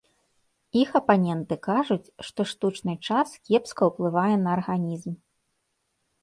Іх апаненты кажуць, што штучны час кепка ўплывае на арганізм.